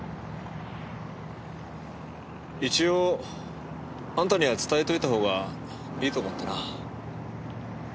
一応あんたには伝えといた方がいいと思ってな。